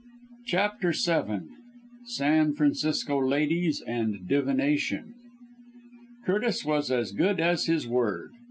CHAPTER VII SAN FRANCISCO LADIES AND DIVINATION Curtis was as good as his word.